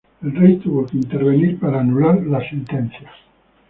El Rey tuvo que intervenir para anular la sentencia.